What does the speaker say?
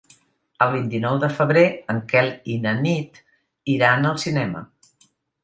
El vint-i-nou de febrer en Quel i na Nit iran al cinema.